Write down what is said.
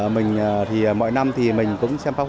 mình thì mọi năm thì mình cũng sẽ